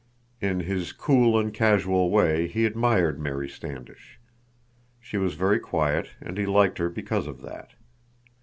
In his cool and causal way he admired Mary Standish. She was very quiet, and he liked her because of that.